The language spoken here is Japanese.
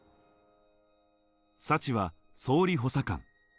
サチは総理補佐官。